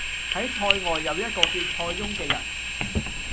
喺塞外有一個叫塞翁嘅人